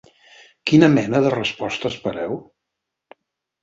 Quina mena de resposta espereu?